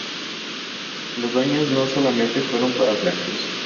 Los daños no solamente fueron para Veracruz.